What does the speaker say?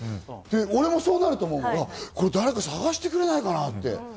俺もそうなると思う、誰か捜してくれないかなって。